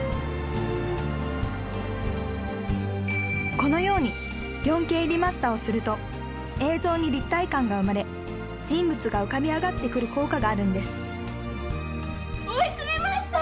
このように４Ｋリマスターをすると映像に立体感が生まれ人物が浮かび上がってくる効果があるんです追い詰めました！